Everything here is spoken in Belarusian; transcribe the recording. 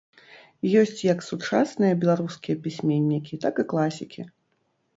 Ёсць як сучасныя беларускія пісьменнікі, так і класікі.